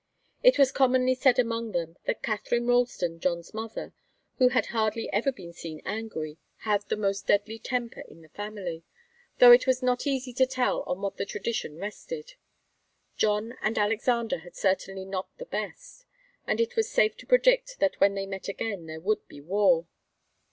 It was commonly said among them that Katharine Ralston, John's mother, who had hardly ever been seen angry, had the most deadly temper in the family, though it was not easy to tell on what the tradition rested. John and Alexander had certainly not the best, and it was safe to predict that when they met again there would be war.